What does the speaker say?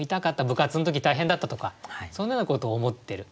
部活の時大変だったとかそんなようなことを思ってる。